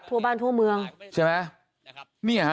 ทั่วบ้านทั่วเมืองใช่ไหม